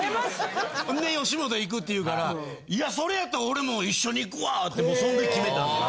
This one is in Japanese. んで吉本行くっていうからいやそれやったら俺も一緒に行くわってそん時決めたんです。